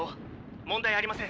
問題ありません。